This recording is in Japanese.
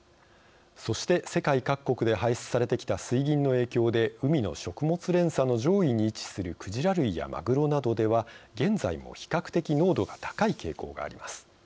そして、世界各国で排出されてきた水銀の影響で海の食物連鎖の上位に位置するクジラ類やマグロなどでは現在も比較的濃度が高い傾向があります。